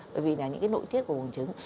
bởi vì là những cái nội tiết của buông trứng